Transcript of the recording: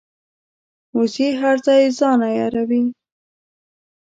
وزې هر ځای ځان عیاروي